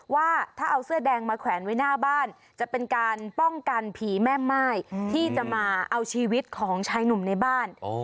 ว่าถ้าเอาเสื้อแดงมาแขวนไว้หน้าบ้านจะเป็นการป้องกันผีแม่ม่ายที่จะมาเอาชีวิตของชายหนุ่มในบ้าน